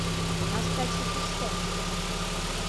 Настачи кушто?